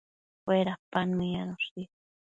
Uedapan meyanoshi